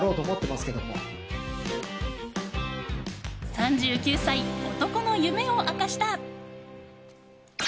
３９歳、男の夢を明かした。